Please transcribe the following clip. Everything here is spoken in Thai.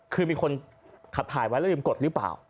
คือมีคนขับถ่ายไว้แล้วลืมกดหรือเปล่า